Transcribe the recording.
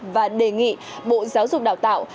và đề nghị bộ giáo dục đào tạo